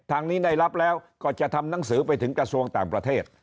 ทางนี้ได้รับแล้วก็จะทำหนังสือไปถึงกระทรวงต่างประเทศ